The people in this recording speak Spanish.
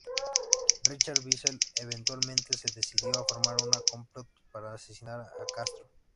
Richard Bissell eventualmente se decidió a formar un complot para asesinar a Castro.